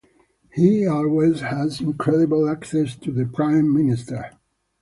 He always has incredible access to the Prime Minister.